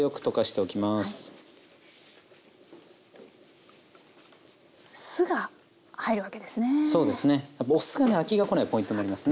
お酢がね飽きがこないポイントになりますね。